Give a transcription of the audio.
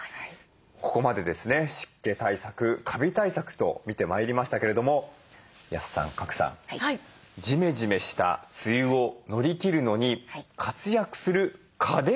ここまでですね湿気対策カビ対策と見てまいりましたけれども安さん賀来さんジメジメした梅雨を乗り切るのに活躍する家電といえば？